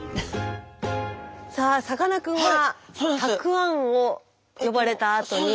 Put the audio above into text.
さあさかなクンはたくあんを呼ばれたあとに。